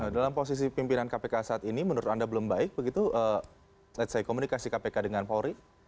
dalam posisi pimpinan kpk saat ini menurut anda belum baik begitu ⁇ lets ⁇ say komunikasi kpk dengan polri